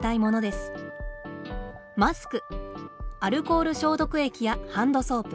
マスクアルコール消毒液やハンドソープ。